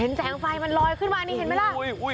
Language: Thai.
แสงไฟมันลอยขึ้นมานี่เห็นไหมล่ะ